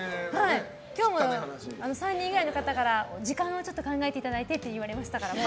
今日も３人以外の方から時間を考えていただいてって言われましたから。